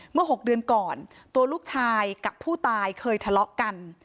เมื่อ๖เดือนก่อนตัวลูกชายกับผู้ตายเคยทะเลาะกัน